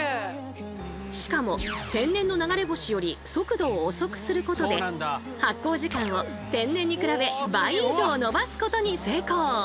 しかも天然の流れ星より速度を遅くすることで発光時間を天然に比べ倍以上伸ばすことに成功！